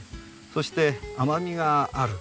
そして甘みがある。